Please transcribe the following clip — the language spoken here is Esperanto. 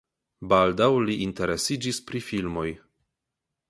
Baldaŭ li interesiĝis pri filmoj.